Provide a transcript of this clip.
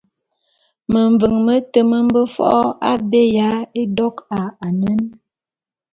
Meveň mete me mbe fo’o abé ya édok a anen.